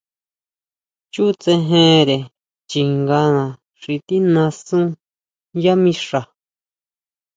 Chútsejere chingana xi tijnasú yá mixa.